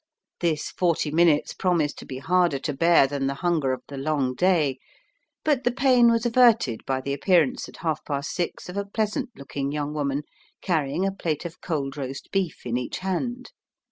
This forty minutes promised to be harder to bear than the hunger of the long day; but the pain was averted by the appearance at half past six of a pleasant looking young woman, carrying a plate of cold roast beef in each hand.